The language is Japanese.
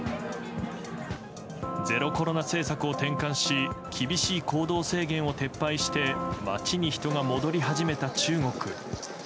ゼロコロナ政策を転換し厳しい行動制限を撤廃して街に人が戻り始めた中国。